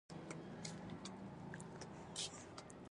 بدرنګه عملونه خلک ویروي